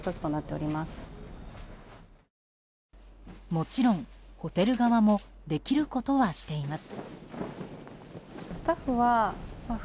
もちろん、ホテル側もできることはしています。